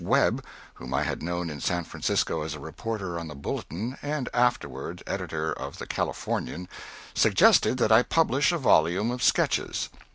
Webb, whom I had known in San Francisco as a reporter on The Bulletin, and afterward editor of The Californian, suggested that I publish a volume of sketches.